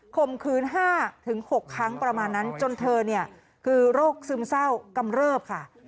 มขืน๕๖ครั้งประมาณนั้นจนเธอเนี่ยคือโรคซึมเศร้ากำเริบค่ะ